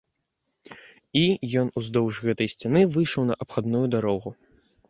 І ён уздоўж гэтай сцяны выйшаў на абхадную дарогу.